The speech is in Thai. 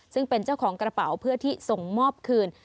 ซึ่งเป็นเจ้าของกระเป๋าเพื่อที่ส่งมอบคืน